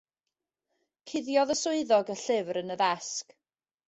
Cuddiodd y swyddog y llyfr yn y ddesg.